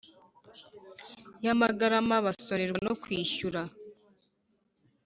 Y amagarama basonerwa no kwishyura